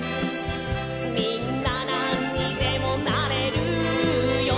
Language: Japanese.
「みんななんにでもなれるよ！」